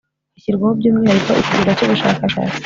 hashyirwaho by'umwihariko ikigega cy'ubushakashatsi